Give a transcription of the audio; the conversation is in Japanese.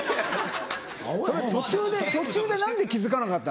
それ途中で途中で何で気付かなかったの？